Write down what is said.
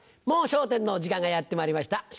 『もう笑点』の時間がやってまいりました。